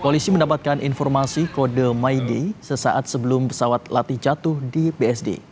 polisi mendapatkan informasi kode maiday sesaat sebelum pesawat latih jatuh di bsd